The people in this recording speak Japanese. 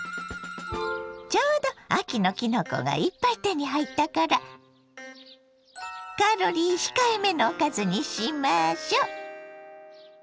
ちょうど秋のきのこがいっぱい手に入ったからカロリー控えめのおかずにしましょ。